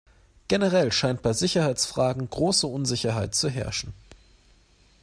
Generell scheint bei Sicherheitsfragen große Unsicherheit zu herrschen.